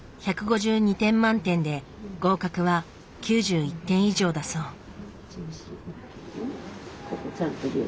１５２点満点で合格は９１点以上だそう。